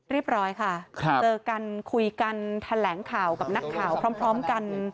เรียบร้อยค่ะเจอกันคุยกันแถลงข่าวกับนักข่าวพร้อมกัน